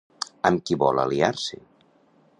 Amb qui vol aliar-se?